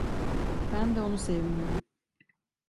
Ben de onu seviyorum.